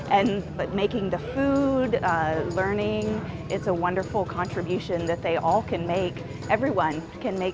dan membuat makanan belajar itu adalah kontribusi yang sangat bagus yang mereka semua bisa buat